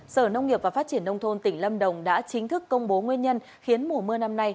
sở nông nghiệp và phát triển nông thôn tỉnh lâm đồng đã chính thức công bố nguyên nhân khiến mùa mưa năm nay